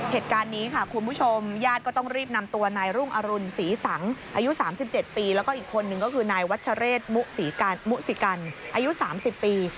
เหตุการณ์นี้ค่ะคุณผู้ชมญาติก็ต้องรีบนำตัวนายรุ่งอรุณศรีสังอายุ๓๗ปีแล้วก็อีกคนนึงก็คือนายวัชเรศมุสิกันอายุ๓๐ปี